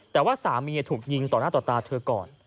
แต่ว่าสามีถูกยิงต่อหน้าต่อตาเธอก่อน